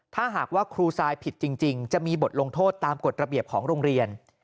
ถ้าหากว่าครูทรายผิดจริงจะมีบทลงโทษตามกฎระเบียบของโรงเรียน